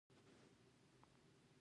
د ښاغلي ربیټ په تندي کې یو څه ګونځې وې